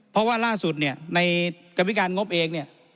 เพราะว่าร่าสุดในกรรมการงบเอง